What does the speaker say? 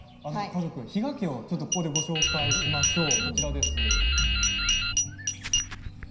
家をここでご紹介しましょう。